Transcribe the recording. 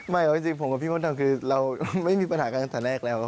ไม่เอาจริงผมกับพี่มดดำคือเราไม่มีปัญหากันตั้งแต่แรกแล้ว